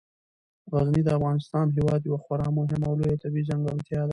غزني د افغانستان هیواد یوه خورا مهمه او لویه طبیعي ځانګړتیا ده.